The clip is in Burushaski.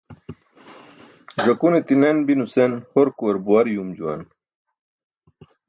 "ẓakune ti̇nan bi" nusen horkuwar buwar yuum juwan.